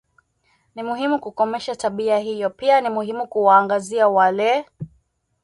Ni muhimu kukomesha tabia hiyo pia ni muhimu kuwaangazia wale